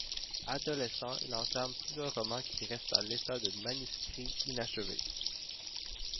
Adolescent, il entame plusieurs romans qui restent à l'état de manuscrits inachevés.